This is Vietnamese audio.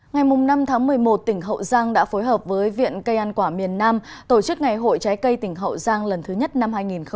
ngày năm tháng một mươi một tỉnh hậu giang đã phối hợp với viện cây ăn quả miền nam tổ chức ngày hội trái cây tỉnh hậu giang lần thứ nhất năm hai nghìn một mươi chín